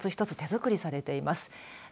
一つ一つ手作りされています。